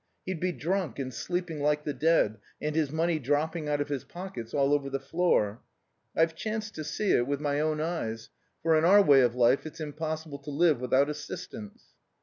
He'd be drunk and sleeping like the dead, and his money dropping out of his pockets all over the floor. I've chanced to see it with my own eyes, for in our way of life it's impossible to live without assistance...."